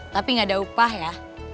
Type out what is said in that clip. tapi nggak ada upah ya